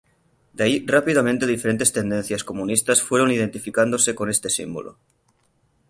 De ahí rápidamente diferentes tendencias comunistas fueron identificándose con este símbolo.